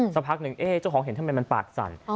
สันภาคนึงเอ๊ะเจ้าของเห็นทำไมมันปากสั่น